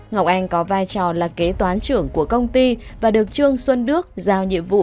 ngọc anh có vai trò là kế toán trưởng của công ty và được trương xuân đức giao nhiệm vụ